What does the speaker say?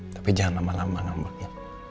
tapi jangan lama lama ngamuknya